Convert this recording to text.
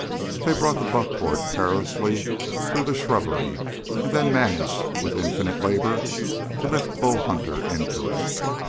They brought the buckboard perilously through the shrubbery and then managed, with infinite labor, to lift Bull Hunter into it.